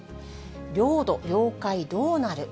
領土、領海どうなる？